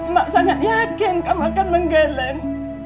mbak sangat yakin kamu akan menggeleng